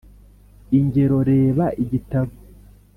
Ingero reba igitabo